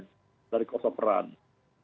kemudian ditambah lagi dengan fasum fasos